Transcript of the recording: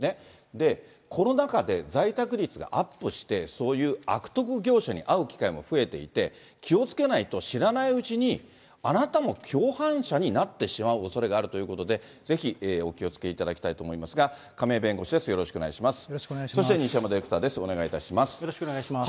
で、コロナ禍で在宅率がアップして、そういう悪徳業者にあう機会も増えていて、気をつけないと知らないうちに、あなたも共犯者になってしまうおそれがあるということで、ぜひお気をつけいただきたいと思いますが、亀井弁護士です、よろしくおよろしくお願いします。